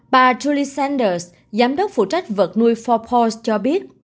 bà julie sanders giám đốc phụ trách vật nuôi forbos cho biết